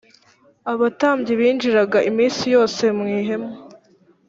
abatambyi binjiraga iminsi yose mu ihema